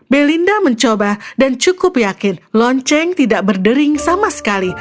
belinda mencoba dan cukup yakin lonceng tidak berdering sama sekali